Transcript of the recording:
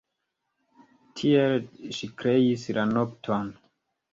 Tiel ŝi kreis la nokton.